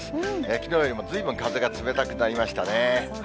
きのうよりもずいぶん風が冷たくなりましたね。